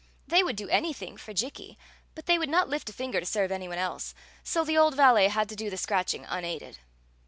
They would do an3rthing for Jikki, but they would not lift a finger to serve any one else ; so the old valet had to do the scratching unaided.